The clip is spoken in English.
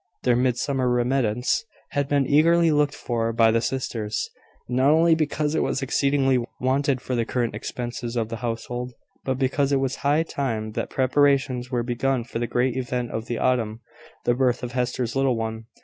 Their Midsummer remittance had been eagerly looked for by the sisters, not only because it was exceedingly wanted for the current expenses of the household, but because it was high time that preparations were begun for the great event of the autumn the birth of Hester's little one.